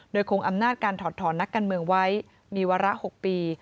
โดยคงอำนาจการถอดถอนนักการเมืองไว้มีวาระ๖ปี